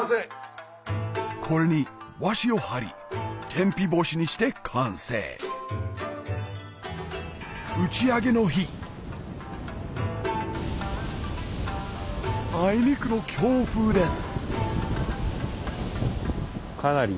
これに和紙を貼り天日干しにして完成打ち上げの日あいにくの強風です